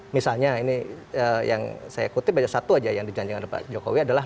misalnya ini yang saya kutip ada satu aja yang dijanjikan oleh pak jokowi adalah